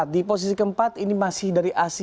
di posisi ke empat ini masih dari asia